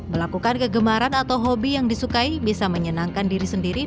melakukan kegemaran atau hobi yang disukai bisa menyenangkan diri sendiri